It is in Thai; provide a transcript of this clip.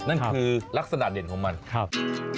นั่นคือลักษณะเด่นของมันครับ